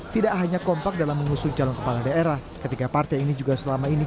tidak hanya kompak dalam mengusung calon kepala daerah ketiga partai ini juga selama ini